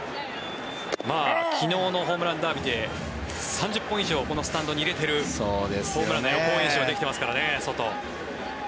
昨日のホームランダービーで３０本以上このスタンドに入れているホームランの予行練習はできていますからね、ソト。